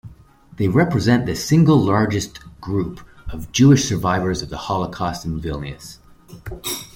They represent the single largest group of Jewish survivors of the Holocaust in Vilnius.